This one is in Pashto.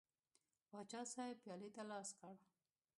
پاچا صاحب پیالې ته لاس کړ.